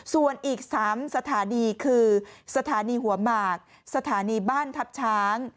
ส่วนอีก๓สถานีคือสถานีหัวหมากสถานีบ้านทัพช้าง